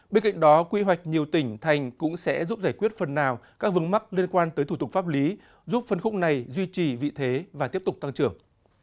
bên cạnh đó quy hoạch nhiều tỉnh thành cũng sẽ giúp giải quyết phần nào các vướng mắc liên quan tới thủ tục pháp lý giúp phân khúc này duy trì vị thế và tiếp tục tăng trưởng